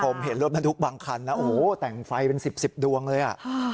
ผมเห็นรถนัดทุกบางคันแต่งไฟเป็นสิบดวงเลย